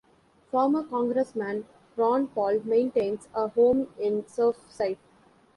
Former Congressman Ron Paul maintains a home in Surfside.